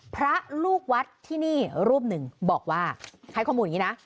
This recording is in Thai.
พระลูกวัดที่นี่รูปหนึ่งบอกว่าให้ข้อมูลอย่างนี้นะ